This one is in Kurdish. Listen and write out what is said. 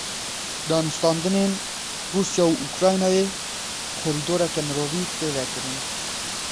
Danûstandinên Rûsya û Ukraynayê; korîdoreke mirovî tê vekirin.